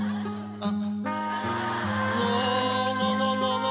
あっ！